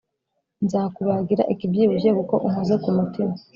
Nzakubagira ikibyibushye kuko unkoze kumutima